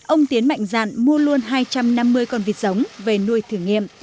ông tiến mạnh dạn mua luôn hai trăm năm mươi con vịt giống về nuôi thử nghiệm